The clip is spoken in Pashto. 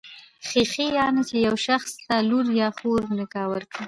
خېښي، يعنی چي يو شخص ته لور يا خور په نکاح ورکي.